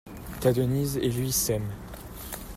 Ta Denise et lui s'aiment!